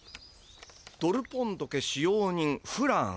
「ドルポンド家使用人フラン」。